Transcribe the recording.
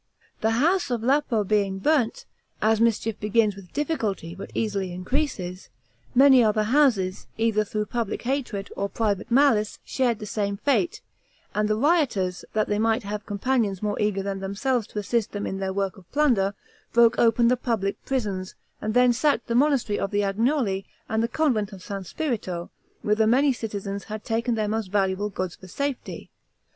The house of Lapo being burnt, as mischief begins with difficulty but easily increases, many other houses, either through public hatred, or private malice, shared the same fate; and the rioters, that they might have companions more eager than themselves to assist them in their work of plunder, broke open the public prisons, and then sacked the monastery of the Agnoli and the convent of S. Spirito, whither many citizens had taken their most valuable goods for safety.